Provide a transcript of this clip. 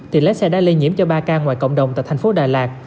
thì lái xe đã lây nhiễm cho ba ca ngoài cộng đồng tại thành phố đà lạt